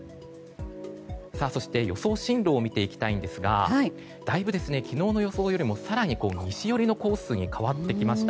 そして予想進路を見ていきたいんですがだいぶ昨日の予想よりも更に西寄りのコースに変わってきました。